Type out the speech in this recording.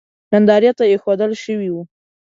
نندارې ته اېښودل شوی و.